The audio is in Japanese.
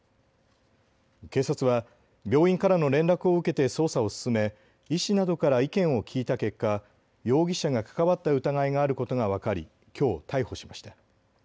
警察は病院からの連絡を受けて捜査を進め、医師などから意見を聞いた結果、容疑者が関わった疑いがあることが分かりきょう逮捕しました。